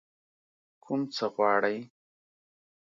کوم څه غواړئ؟